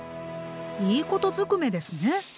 いいことずくめですね。